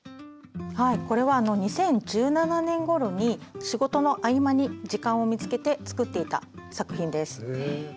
これは２０１７年ごろに仕事の合間に時間を見つけて作っていた作品です。